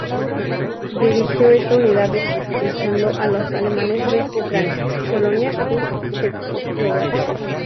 Dirigió esta unidad expulsando a los alemanes de Ucrania, Polonia y Checoslovaquia.